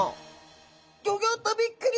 ギョギョッとびっくり！